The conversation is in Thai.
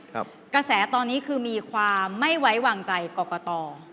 กระแสตอนนี้คือมีความไม่ไว้วางใจกรกต